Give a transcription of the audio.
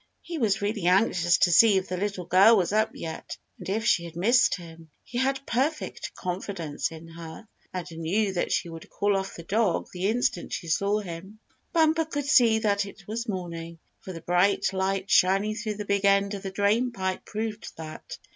He was really anxious to see if the little girl was up yet, and if she had missed him. He had perfect confidence in her, and knew that she would call off the dog the instant she saw him. Bumper could see that it was morning, for the bright light shining through the big end of the drain pipe proved that.